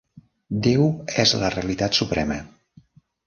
Déu és la realitat suprema.